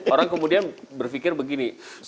orang kemudian berfikir begini